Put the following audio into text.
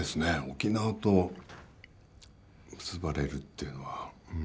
沖縄と結ばれるっていうのは。